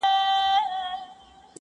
علم او غيرت يو ځای کړئ.